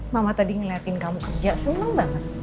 mama tadi ngeliatin kamu kerja seneng banget